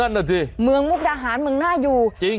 นั่นอ่ะสิเมืองบุ๊กดาหารมันน่าอยู่จริง